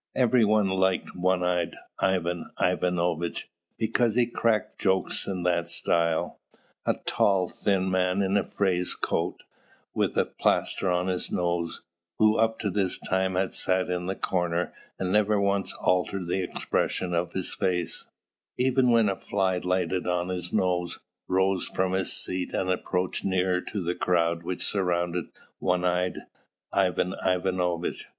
Every one liked one eyed Ivan Ivanovitch, because he cracked jokes in that style. A tall, thin man in a frieze coat, with a plaster on his nose, who up to this time had sat in the corner, and never once altered the expression of his face, even when a fly lighted on his nose, rose from his seat, and approached nearer to the crowd which surrounded one eyed Ivan Ivanovitch.